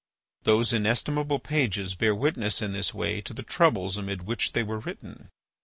Those inestimable pages bear witness in this way to the troubles amid which they were written.